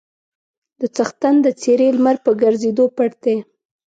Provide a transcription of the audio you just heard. د څښتن د څېرې لمر په ګرځېدو پټ دی.